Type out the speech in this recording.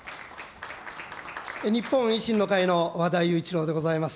日本維新の会の和田有一朗でございます。